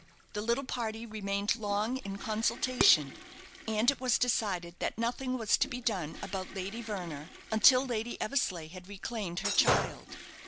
The little party remained long in consultation, and it was decided that nothing was to be done about Lady Verner until Lady Eversleigh had reclaimed her child.